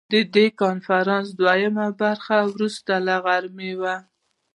د کنفرانس دوهمه برخه وروسته له غرمې وه.